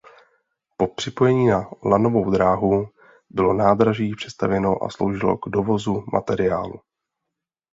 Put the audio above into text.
Po připojení na lanovou dráhu bylo nádraží přestavěno a sloužilo k dovozu materiálu.